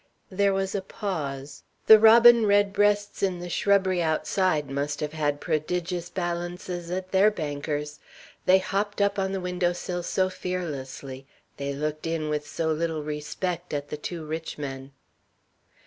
There was a pause. The robin redbreasts in the shrubbery outside must have had prodigious balances at their bankers; they hopped up on the window sill so fearlessly; they looked in with so little respect at the two rich men.